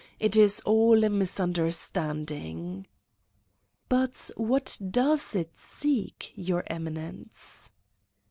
It is all a misun derstanding!" "But what does it seek, Your Eminence?"